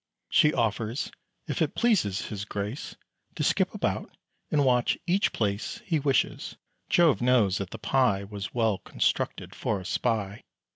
She offers, if it please his grace, To skip about, and watch each place He wishes. Jove knows that the Pie Was well constructed for a spy.